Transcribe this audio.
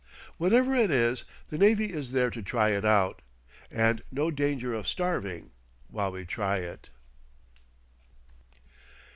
Whatever it is, the navy is there to try it out, and no danger of starving while we try it.